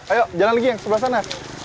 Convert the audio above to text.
ayo jalan lagi yang sebelah sana